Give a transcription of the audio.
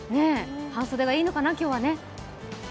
半袖がいいのかな、今日は。